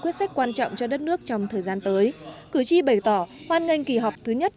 quyết sách quan trọng cho đất nước trong thời gian tới cử tri bày tỏ hoan nghênh kỳ họp thứ nhất